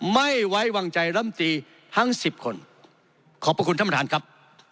ไม่ไว้วางใจร่ำตีทั้งสิบคนขอบพระคุณท่านประธานครับ